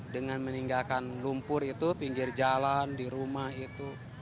dengan meninggalkan lumpur itu pinggir jalan di rumah itu